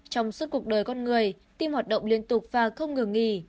trong suốt cuộc đời con người tim hoạt động liên tục và không ngừng nghỉ